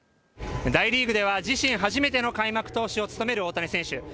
大リーグでは、自身初めての開幕投手を務める大谷選手。